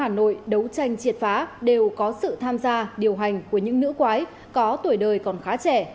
do công an tp hà nội đấu tranh triệt phá đều có sự tham gia điều hành của những nữ quái có tuổi đời còn khá trẻ